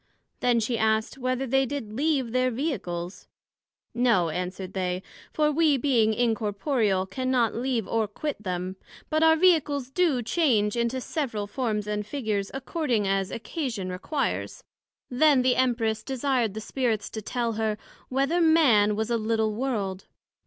Then she asked, Whether they did leave their Vehicles? No, answered they; for we being incorporeal, cannot leave or quit them: but our Vehicles do change into several forms and figures, according as occasion requires. Then the Empress desired the Spirits to tell her, Whether Man was a little World?